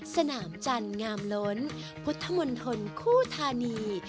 สนามจันทร์งามล้นพุทธมนตรคู่ธานี